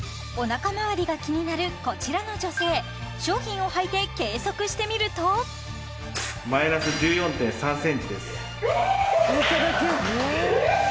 おなかまわりが気になるこちらの女性商品をはいて計測してみるとマイナス１４．３ｃｍですえ！